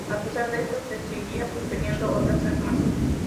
A pesar de esto, se seguían prefiriendo otras armas.